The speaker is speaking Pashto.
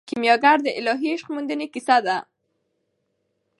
کیمیاګر د الهي عشق موندنې کیسه ده.